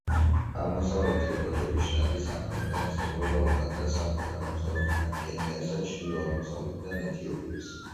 აღმოსავლეთი ეკვატორიის შტატი სამხრეთიდან ესაზღვრება უგანდას, სამხრეთ-აღმოსავლეთიდან კენიას და ჩრდილო-აღმოსავლეთიდან ეთიოპიას.